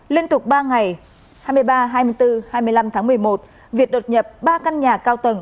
liên tục ba ngày hai mươi ba hai mươi bốn hai mươi năm tháng một mươi một việt đột nhập ba căn nhà cao tầng